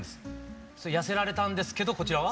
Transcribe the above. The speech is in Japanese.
痩せられたんですけどこちらは？